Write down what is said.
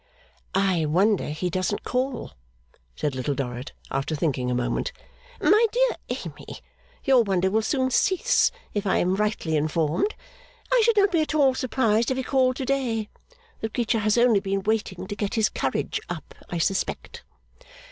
'I wonder he doesn't call,' said Little Dorrit after thinking a moment. 'My dear Amy, your wonder will soon cease, if I am rightly informed. I should not be at all surprised if he called to day. The creature has only been waiting to get his courage up, I suspect.